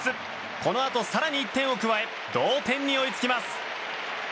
このあと更に１点を加え同点に追いつきます。